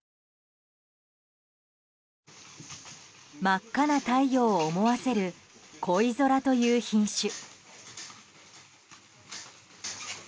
真っ赤な太陽を思わせる恋空という品種。